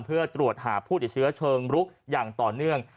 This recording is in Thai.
เพื่อตรวจหาผู้ติดเชื้อเชิงรุกอย่างต่อเนื่อง